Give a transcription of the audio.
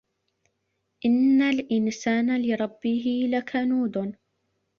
إِنَّ الإِنسانَ لِرَبِّهِ لَكَنودٌ